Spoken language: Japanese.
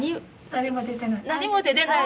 何も出てない？